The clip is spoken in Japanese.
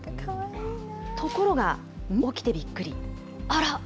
ところが起きてびっくり、あら？